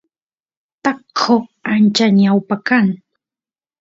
taqo ancha ñawpa kan